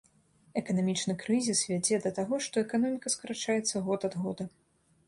Эканамічны крызіс вядзе да таго, што эканоміка скарачаецца год ад года.